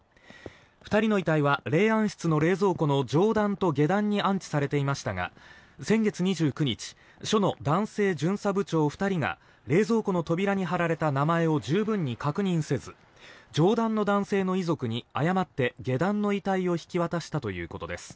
２人の遺体は霊安室の冷蔵庫の上段と下段に安置されていましたが先月２９日署の男性巡査部長２人が冷蔵庫の扉に貼られた名前を十分に確認せず上段の男性の遺族に誤って下段の遺体を引き渡したということです。